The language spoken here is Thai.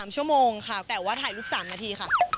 ๓ชั่วโมงค่ะแต่ว่าถ่ายรูป๓นาทีค่ะ